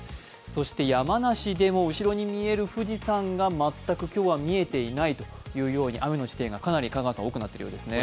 そして山梨でも後ろに見える富士山が今日は全く見えないという雨の地点がかなり多くなっているようですね。